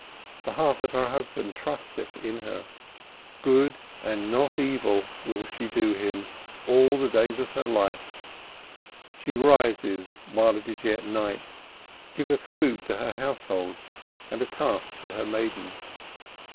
The heart of her husband trusteth in her; good and not evil will she do him all the days of her life; she riseth, while it is yet night, giveth food to her household and a task to her maidens.